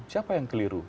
siapa yang keliru